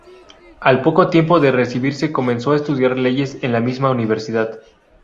Al poco tiempo de recibirse comenzó a estudiar leyes en la misma universidad.